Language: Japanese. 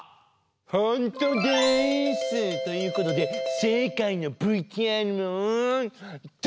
ホントです！ということでせいかいのＶＴＲをどうぞ！